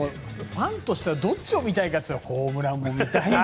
ファンとしてはどっちを見たいかというとホームランも見たい。